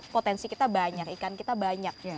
potensi kita banyak ikan kita banyak